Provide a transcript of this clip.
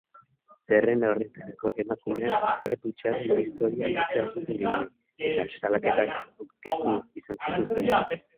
Zerrenda horretako emakumeek tratu txarren historia luzea zuten gehienek, eta salaketak aurkeztu izan zituzten.